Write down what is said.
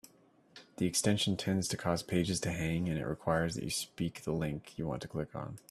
The extension tends to cause pages to hang, and it requires that you speak the link you want to click on.